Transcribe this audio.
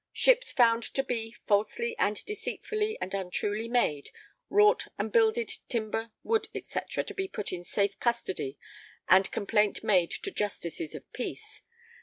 [Ships found to be] falsely and deceitfully and untruly made wrought and builded [_timber, wood, &c. to be put in safe custody and complaint made to Justices of Peace....